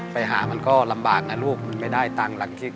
ไปหามันก็ลำบากนะลูกมันไม่ได้ตังค์หลักจิก